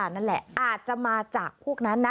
นั่นแหละอาจจะมาจากพวกนั้นนะ